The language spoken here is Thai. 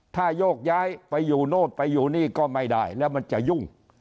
ถ้าโยกย้ายไปอยู่โน่นไปอยู่นี่ก็ไม่ได้แล้วมันจะยุ่ง